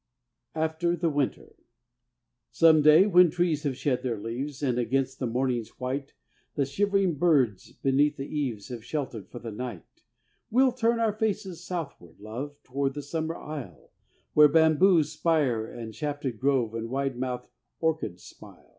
AFTER THE WINTER Some day, when trees have shed their leaves, And against the morning's white The shivering birds beneath the eaves Have sheltered for the night, We'll turn our faces southward, love, Toward the summer isle Where bamboos spire the shafted grove And wide mouthed orchids smile.